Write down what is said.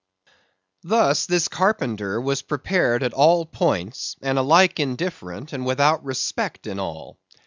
Thus, this carpenter was prepared at all points, and alike indifferent and without respect in all.